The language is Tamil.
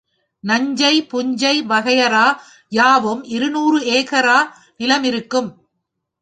நஞ்சை, புஞ்சை வகையறா யாவும் இருநூறு ஏகரா நிலமிருக்கும்.